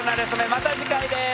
また次回です！